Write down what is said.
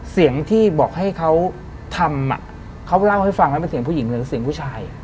เสียงที่บอกให้เขาทำเขาเล่าให้ฟังไหมมันเสียงผู้หญิงหรือเสียงผู้ชาย